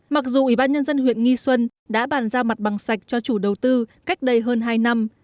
mặc dù ủy ban nhân dân huyện nghi xuân đã bàn ra mặt bằng sạch cho chủ đầu tư cách đây hơn hai năm